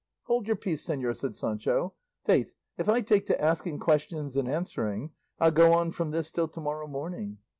"Hold your peace, señor," said Sancho; "faith, if I take to asking questions and answering, I'll go on from this till to morrow morning.